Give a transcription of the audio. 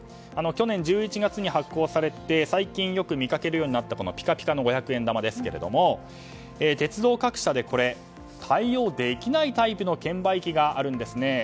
去年１１月に発行されて最近よく見かけるようになったピカピカの五百円玉ですが鉄道各社で対応できないタイプの券売機があるんですね。